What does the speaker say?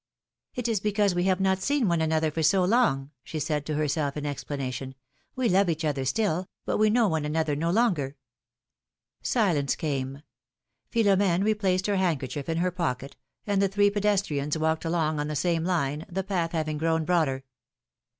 ^^It is because we have not seen one another for so long^'^ she said to herself in explanation; ^^we love each other still, but we know one another no longer Silence came. Philom^ne replaced her handkerchief in her pocket, and the three pedestrians walked along on the same line, the path having grown broader.